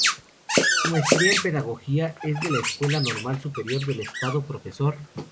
Su Maestría en Pedagogía es de la Escuela Normal Superior del Estado “Profr.